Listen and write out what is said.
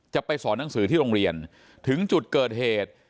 จะไปสอนหนังสือที่โรงเรียนถึงจุดเกิดเหตุ